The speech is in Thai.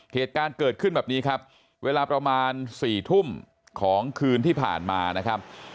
เหตุการณ์เกิดขึ้นแบบนี้ครับเวลาประมาณ๔ทุ่มของคืนที่ผ่านมานะครับ